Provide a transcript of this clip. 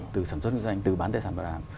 từ sản xuất kinh doanh từ bán tài sản bảo đảm